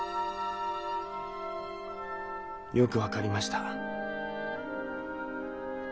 よく分かりました。